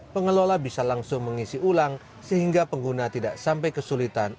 pengelola bisa langsung mengisi ulang sehingga pengguna tidak sampai kesulitan